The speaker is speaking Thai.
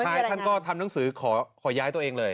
ท่านก็ทำหนังสือขอย้ายตัวเองเลย